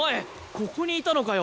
ここにいたのかよ！？